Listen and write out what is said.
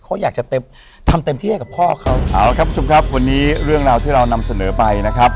เขาอยากจะเต็มทำเต็มที่ให้กับพ่อเขาเอาละครับคุณผู้ชมครับวันนี้เรื่องราวที่เรานำเสนอไปนะครับ